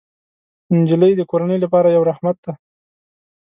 نجلۍ د کورنۍ لپاره یو رحمت دی.